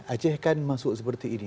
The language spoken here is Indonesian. aceh kan masuk seperti ini